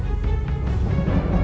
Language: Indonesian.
aku gak mau